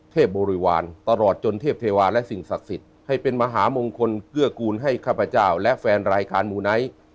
บริวารตลอดจนเทพเทวาและสิ่งศักดิ์สิทธิ์ให้เป็นมหามงคลเกื้อกูลให้ข้าพเจ้าและแฟนรายการมูไนท์